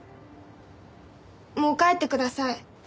もう帰ってください。